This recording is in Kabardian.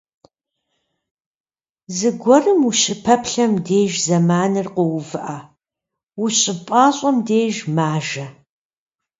Зыгуэрым ущыпэплъэм деж зэманыр къоувыӏэ, ущыпӏащӏэм деж - мажэ.